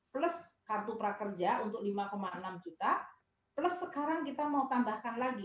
plus kartu prakerja untuk lima enam juta plus sekarang kita mau tambahkan lagi